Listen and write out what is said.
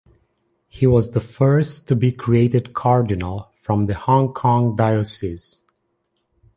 He was the first to be created cardinal from the Hong Kong diocese.